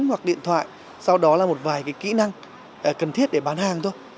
hoặc điện thoại sau đó là một vài kỹ năng cần thiết để bán hàng thôi